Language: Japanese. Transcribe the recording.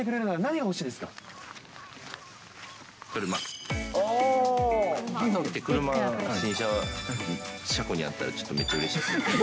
朝起きて、車、新車、車庫にあったらちょっとめっちゃうれしい。